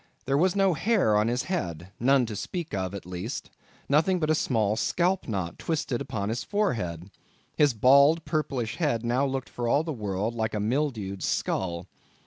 There was no hair on his head—none to speak of at least—nothing but a small scalp knot twisted up on his forehead. His bald purplish head now looked for all the world like a mildewed skull.